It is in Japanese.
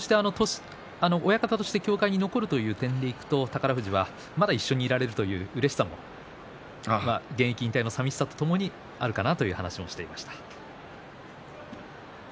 親方として協会に残るという点でいくと宝富士は、まだ一緒にいられるといううれしさも現役引退のさみしさもともにあるかなという話をしていました。